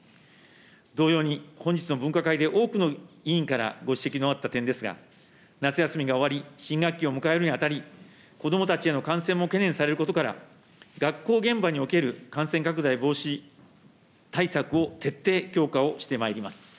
同様に、本日の分科会で多くの委員からご指摘のあった点ですが、夏休みが終わり、新学期を迎えるにあたり、子どもたちへの感染も懸念されることから、学校現場における感染拡大防止対策を徹底、強化をしてまいります。